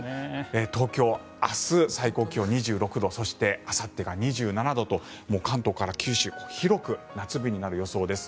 東京、明日最高気温２６度そして、あさってが２７度と関東から九州広く夏日になる予想です。